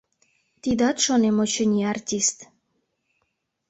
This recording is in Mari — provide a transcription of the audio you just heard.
«Тидат, — шонем, — очыни, артист».